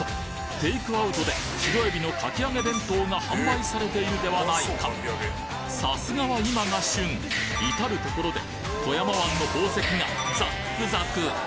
テイクアウトで白海老のかき揚げ弁当が販売されているではないかさすがは今が旬！いたる所で富山湾の宝石がザックザク！